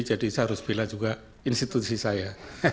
jadi saya harus bilang juga institusi saya